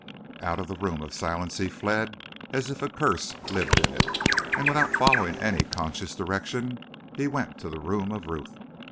Out of the Room of Silence he fled as if a curse lived in it, and without following any conscious direction, he went to the room of Ruth.